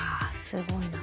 すごいな。